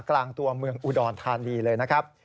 กลางตัวเมืองอุดรธานีเลยนะครับ